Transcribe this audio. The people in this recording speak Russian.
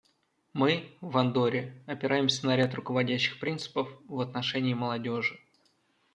Мы, в Андорре, опираемся на ряд руководящих принципов в отношении молодежи.